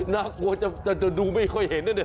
น่ากลัวจะดูไม่ค่อยเห็น